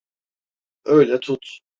Öyle tut.